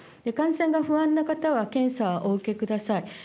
感染が不安な方は検査をお受けください。